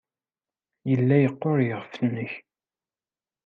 Yella yeqqur yiɣef-nnek.